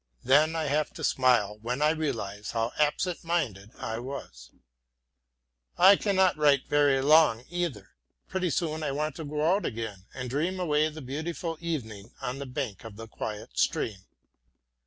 Then I have to smile when I realize how absent minded I was. I cannot write very long either; pretty soon I want to go out again and dream away the beautiful evening on the bank of the quiet stream.